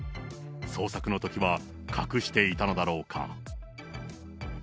捜索のときは隠していたのだろうか。